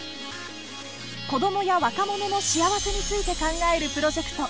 子どもや若者の幸せについて考えるプロジェクト